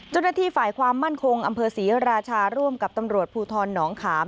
เจ้าหน้าที่ฝ่ายความมั่นคงอำเภอศรีราชาร่วมกับตำรวจภูทรหนองขาม